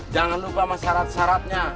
jangan lupa sama syarat syaratnya